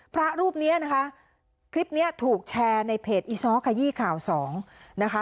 พระรูปนี้นะคะคลิปนี้ถูกแชร์ในเพจอีซ้อขยี้ข่าวสองนะคะ